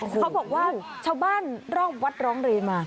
เขาบอกว่าชาวบ้านรอกวัดร้องเรนมา